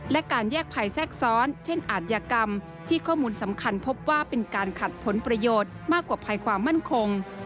และการแยกภัยแทรกซ้อนเช่นอาทยากรรมที่ข้อมูลสำคัญพบว่าเป็นการขัดผลประโยชน์มากกว่าภัยความมั่นคง